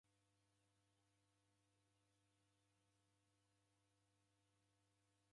Olaghasha mali rape rose kwa madeni.